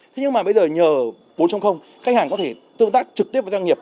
thế nhưng mà bây giờ nhờ bốn khách hàng có thể tương tác trực tiếp với doanh nghiệp